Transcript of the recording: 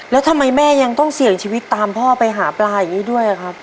แล้วทำไมแม่ยังต้องเสี่ยงชีวิตตามพ่อไปหาปลาอย่างนี้ด้วยครับ